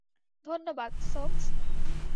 ধন্যবাদ, সোকস।